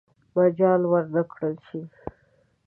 مجال ورنه کړل شي.